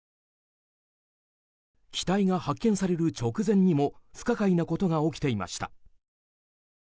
機体が発見される直前にも不可解なことが起きていました。